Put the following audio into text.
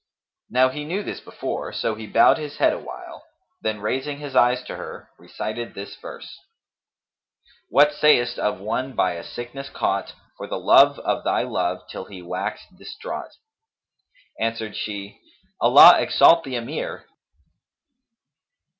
"[FN#253] Now he knew this before; so he bowed his head awhile, then raising his eyes to her, recited this verse, "What sayest of one by a sickness caught * For the love of thy love till he waxed distraught?" Answered she, "Allah exalt the Emir!"